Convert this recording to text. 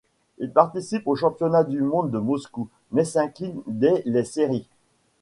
Il participe aux Championnats du monde de Moscou mais s'incline dès les séries.